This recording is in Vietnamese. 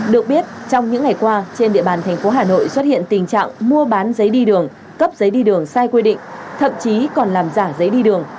được biết trong những ngày qua trên địa bàn thành phố hà nội xuất hiện tình trạng mua bán giấy đi đường cấp giấy đi đường sai quy định thậm chí còn làm giả giấy đi đường